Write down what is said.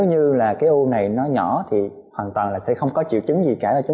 hoàn toàn là sẽ không có triệu chứng gì cả